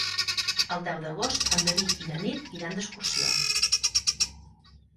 El deu d'agost en David i na Nit iran d'excursió.